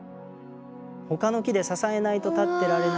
他の木で支えないと立ってられないような